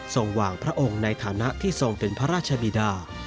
ทรงหว่างพระองค์ในฐานะที่ทรงตื่นพระราชบีดา